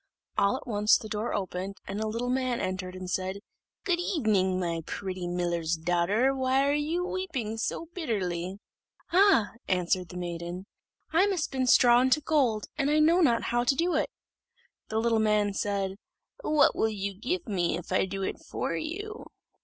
All at once the door opened, and a little man entered, and said, "Good evening, my pretty miller's daughter why are you weeping so bitterly?" "Ah!" answered the maiden, "I must spin straw into gold, and know not how to do it." The little man said, "What will you give me if I do it for you?"